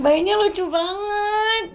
bayinya lucu banget